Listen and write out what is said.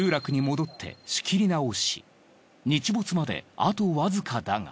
日没まであとわずかだが。